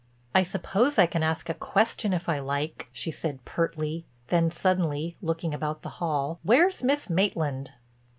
"I suppose I can ask a question if I like," she said pertly, then suddenly; looking about the hall, "Where's Miss Maitland?"